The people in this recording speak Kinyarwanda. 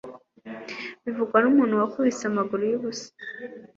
bivugwa n'umuntu wakubise amaguru y'ubusa